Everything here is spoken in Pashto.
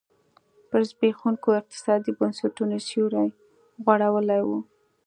پر زبېښونکو اقتصادي بنسټونو سیوری غوړولی و.